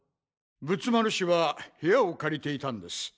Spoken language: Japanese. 仏丸氏は部屋を借りていたんです。